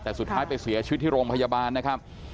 แต่สุดท้ายไปเสียชีวิตที่โรงพยาบาลนะครับ